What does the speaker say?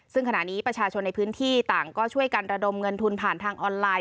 ซึ่งขณะนี้ประชาชนในพื้นที่ต่างก็ช่วยกันระดมเงินทุนผ่านทางออนไลน